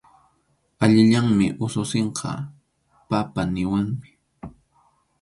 Allillanmi ususinqa “papá” niwanmi.